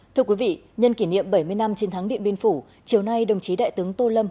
thưa quý vị nhân kỷ niệm bảy mươi năm chiến thắng điện biên phủ chiều nay đồng chí đại tướng tô lâm